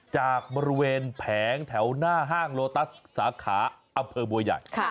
จากบริเวณแผงแถวหน้าห้างโลตัสสาขาอำเภอบัวใหญ่